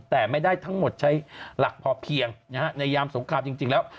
แต่ไม่ได้ทั้งหมดใช้หลักพอเพียงในยามสงครามจริงแล้ว